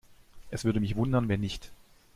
Es würde mich wundern, wenn nicht.